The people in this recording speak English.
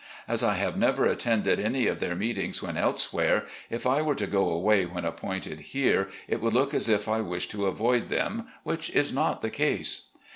As I have never attended any of their meetings when elsewhere, if I were to go away when appointed here it would look as if I wished to avoid them, which is not the ease.